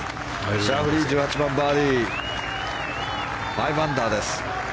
シャフリー、１８番バーディーで５アンダーです。